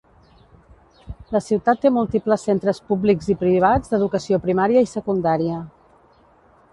La ciutat té múltiples centres públics i privats d'educació primària i secundària.